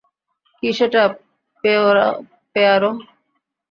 কী সেটা, পোয়ারো?